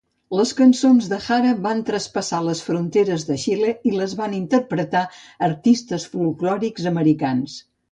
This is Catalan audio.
Les cançons de Jara van traspassar les fronteres de Xile i les van interpretar artistes folklòrics americans.